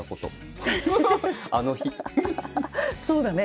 そうだね。